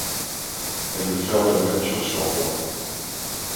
Elle veut faire de la peinture sur bois.